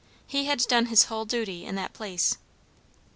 He had done his whole duty in that place!"